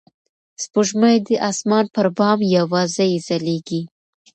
سپوږمۍ د اسمان پر بام یوازې ځلېږي.